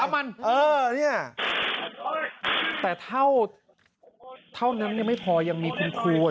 เออเนี้ยแต่เท่าเนี้ยไม่พอยังมีคุณครูอ่ะ